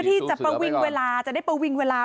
มีชายแปลกหน้า๓คนผ่านมาทำทีเป็นช่วยค่างทาง